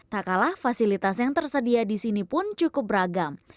tak kalah fasilitas yang tersedia di sini pun cukup beragam